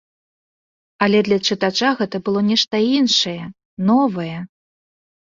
Але для чытача гэта было нешта іншае, новае.